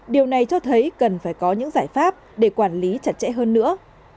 điều này cho thấy cần phải có những giải pháp để quản lý chặt chẽ hơn nữa